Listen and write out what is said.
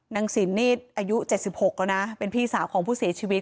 สินนี่อายุ๗๖แล้วนะเป็นพี่สาวของผู้เสียชีวิต